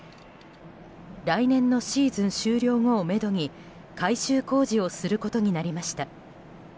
来年のシーズン終了後をめどに改修工事をすることになりました。